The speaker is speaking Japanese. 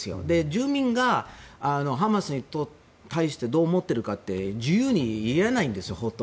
住民がハマスに対してどう思っているかって自由に言えないんですよ。